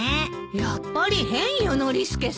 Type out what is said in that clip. やっぱり変よノリスケさん。